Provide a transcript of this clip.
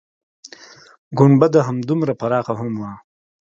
گنبده همدومره پراخه هم وه.